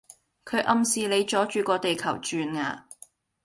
佢暗示你阻住個地球轉呀